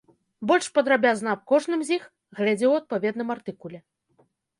Больш падрабязна аб кожным з іх глядзі ў адпаведным артыкуле.